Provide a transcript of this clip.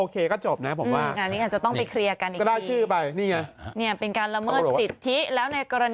ก็ยังพอคิดว่านั่นได้แต่ว่า